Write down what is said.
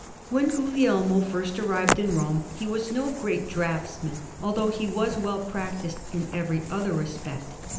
When Guglielmo first arrived in Rome, he was no great draughtsman, although he was well practised in every other respect.